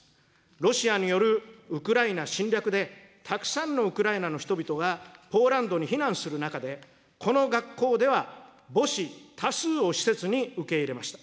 ロシアによるウクライナ侵略で、たくさんのウクライナの人々がポーランドに避難する中で、この学校では、母子多数を施設に受け入れました。